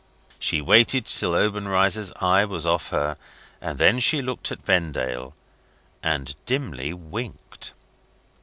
She waited till Obenreizer's eye was off her and then she looked at Vendale, and dimly winked.